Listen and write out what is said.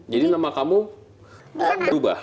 jadi nama kamu berubah